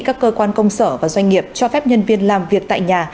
các cơ quan công sở và doanh nghiệp cho phép nhân viên làm việc tại nhà